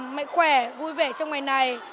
mạnh khỏe vui vẻ trong ngày này